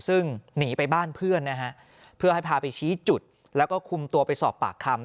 ซึ่งหนีไปบ้านเพื่อนนะฮะเพื่อให้พาไปชี้จุดแล้วก็คุมตัวไปสอบปากคำ